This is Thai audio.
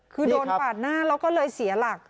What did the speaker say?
คือโดนปาดหน้าแล้วก็เลยเสียหลัก